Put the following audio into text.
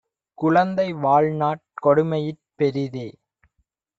குழந்தை வாழ்நாட் கொடுமையிற் பெரிதே.